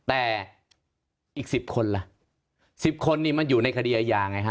แต่อีก๑๐คนล่ะ๑๐คนนี่มันอยู่ในคดีอาญาไงฮ